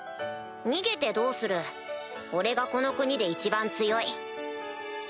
逃げてどうする俺がこの国で一番強い。